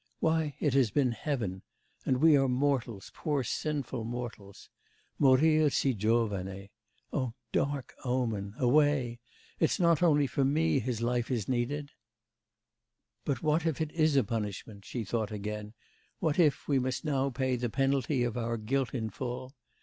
Why, it has been heaven... and we are mortals, poor sinful mortals.... Morir si giovane. Oh, dark omen, away! It's not only for me his life is needed! 'But what, if it is a punishment,' she thought again; 'what, if we must now pay the penalty of our guilt in full?